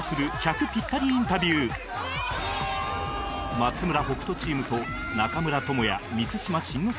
松村北斗チームと中村倫也・満島真之介